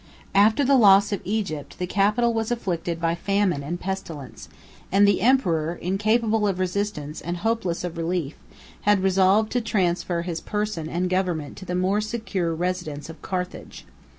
After the loss of Egypt, the capital was afflicted by famine and pestilence; and the emperor, incapable of resistance, and hopeless of relief, had resolved to transfer his person and government to the more secure residence of Carthage.